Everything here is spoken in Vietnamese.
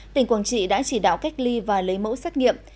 tỉnh quảng trị đã chỉ đạo cách ly và lấy mẫu xét nghiệm